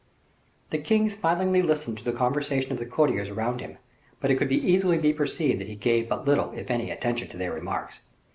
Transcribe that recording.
The king smilingly listened to the conversation of the courtiers around him, but it could easily be perceived that he gave but little, if any, attention to their remarks.